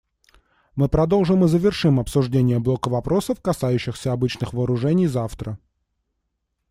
Мы продолжим и завершим обсуждение блока вопросов, касающихся обычных вооружений, завтра.